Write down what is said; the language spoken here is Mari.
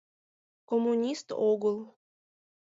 Коммунист огыл.